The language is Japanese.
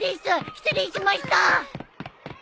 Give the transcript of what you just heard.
失礼しました！